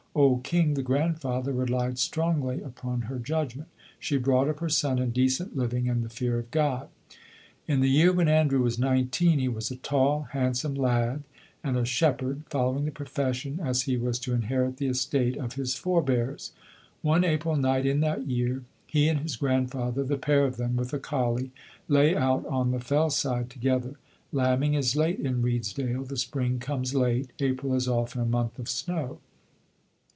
Old King, the grandfather, relied strongly upon her judgment. She brought up her son in decent living and the fear of God. In the year when Andrew was nineteen he was a tall, handsome lad, and a shepherd, following the profession, as he was to inherit the estate, of his forebears. One April night in that year he and his grandfather, the pair of them with a collie, lay out on the fell side together. Lambing is late in Redesdale, the spring comes late; April is often a month of snow.